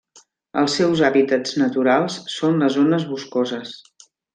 Els seus hàbitats naturals són les zones boscoses.